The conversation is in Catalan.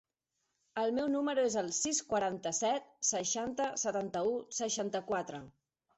El meu número es el sis, quaranta-set, seixanta, setanta-u, seixanta-quatre.